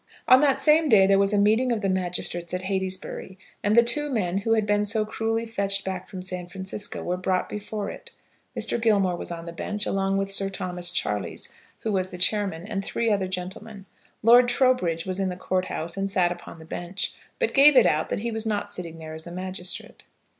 On that same day there was a meeting of the magistrates at Heytesbury, and the two men who had been so cruelly fetched back from San Francisco were brought before it. Mr. Gilmore was on the bench, along with Sir Thomas Charleys, who was the chairman, and three other gentlemen. Lord Trowbridge was in the court house, and sat upon the bench, but gave it out that he was not sitting there as a magistrate.